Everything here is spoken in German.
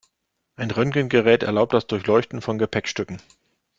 Ein Röntgengerät erlaubt das Durchleuchten von Gepäckstücken.